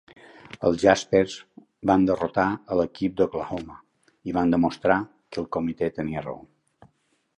Els Jaspers van derrotar a l'equip d'Oklahoma i van demostrar que el comitè tenia raó.